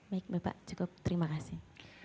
baik bapak cukup terima kasih